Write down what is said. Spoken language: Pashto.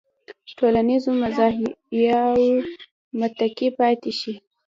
ټولنیزو مزایاوو متکي پاتې شي.